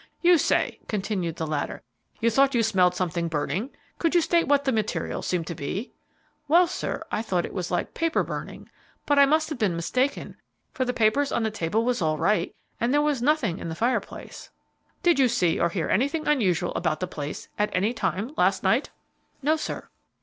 "You say," continued the latter, "you thought you smelled something burning; could you state what the material seemed to be?" "Well, sir, I thought it was like paper burning; but I must have been mistaken, for the papers on the table was all right and there was nothing in the fireplace." "Did you see or hear anything unusual about the place at any time last night?" "No, sir."